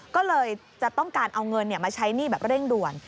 ก็เลยจะต้องการเอาเงินมาใช้หนี้แบบเร่งด่วน